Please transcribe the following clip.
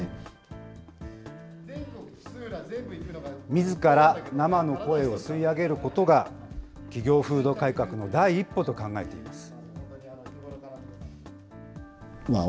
みずから生の声を吸い上げることが、企業風土改革の第一歩と考えています。